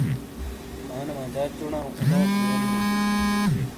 آنے مجا چُوناؤ اونوک ویونی بئیں۔